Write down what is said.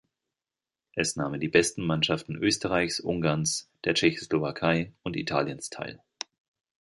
Es nahmen die besten Mannschaften Österreichs, Ungarns, der Tschechoslowakei und Italiens teil.